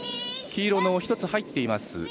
黄色の１つ入っています